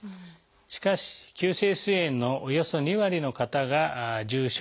しかし急性すい炎のおよそ２割の方が重症の方です。